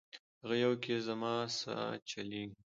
هغه یوه کي زما سا چلیږي